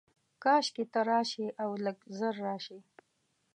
کاشکي ته راشې، اولږ ژر راشې